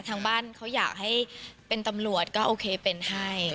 ทางบ้านเขาอยากให้เป็นตำรวจก็โอเคเป็นให้